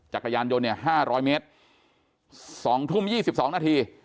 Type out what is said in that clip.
จากกระยานยนต์ห้าร้อยเมตรสองทุ่มยี่สิบสองนาที